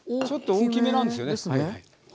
ちょっと大きめなんですよね。ですね。